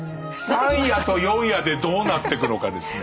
３夜と４夜でどうなってくのかですね。